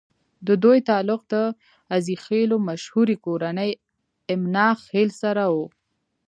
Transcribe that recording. ددوي تعلق د عزيخېلو مشهورې کورنۍ اِمنه خېل سره وو